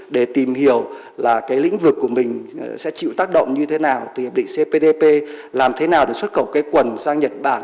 để tìm hiểu là cái lĩnh vực của mình sẽ chịu tác động như thế nào từ hiệp định cptpp làm thế nào để xuất khẩu cái quần sang nhật bản